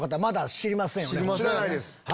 知らないです。